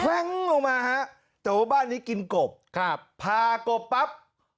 ลงมาฮะแต่ว่าบ้านนี้กินกบครับพากบปั๊บ